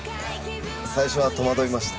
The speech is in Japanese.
最初は戸惑いました。